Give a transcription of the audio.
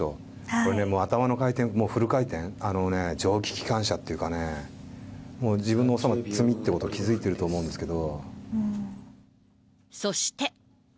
もうね、頭の回転、もうフル回転、あのね、蒸気機関車っていうかね、自分の積みっていうこと、気付いてると思うんですけど。